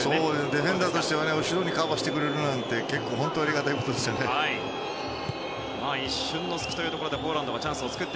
ディフェンダーとしては後ろをカバーしてくれるのは本当にありがたいことですね。